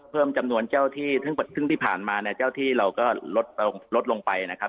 เพิ่มจำนวนเจ้าที่ซึ่งที่ผ่านมาเนี่ยเจ้าที่เราก็ลดลงไปนะครับ